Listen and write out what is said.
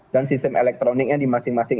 dan sistem elektroniknya di masing masing